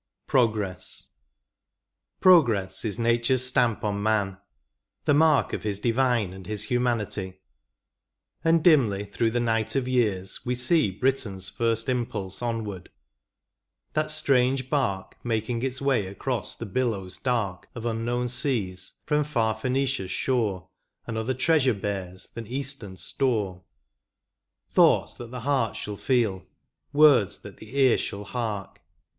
IT. PROGRESS. Progress is nature s stamp on man ; the mark Of his divine and his humanity ; And dimly through the night of years we see Britain's first impulse onward : that strange hark Making its way across the billows dark Of unknown seas, from far Phenicia s shore, Another treasure bears than eastern store ; Thoughts that the heart shall feel, words that the ear shall hark.